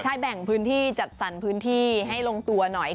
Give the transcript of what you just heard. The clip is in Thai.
ใช่แบ่งพื้นที่จัดสรรพื้นที่ให้ลงตัวหน่อย